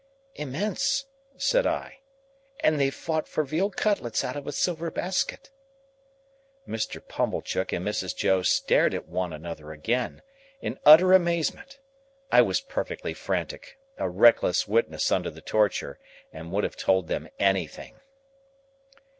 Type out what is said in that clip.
"Immense," said I. "And they fought for veal cutlets out of a silver basket." Mr. Pumblechook and Mrs. Joe stared at one another again, in utter amazement. I was perfectly frantic,—a reckless witness under the torture,—and would have told them anything.